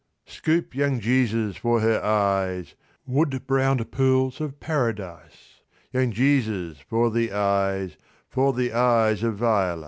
Scoop, young Jesus, for her eyes, Wood browned pools of Paradise— Young Jesus, for the eyes, For the eyes of Viola.